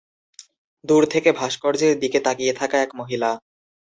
দূর থেকে ভাস্কর্যের দিকে তাকিয়ে থাকা এক মহিলা।